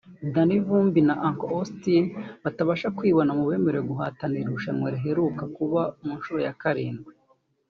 Danny Vumbi na Uncle Austin batabasha kwibona mu bemerewe guhatanira iri rushanwa riheruka kuba ku nshuro ya karindwi